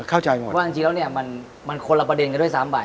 ว่าจริงแล้วเนี่ยมันคนละประเด็นกันด้วย๓ใบ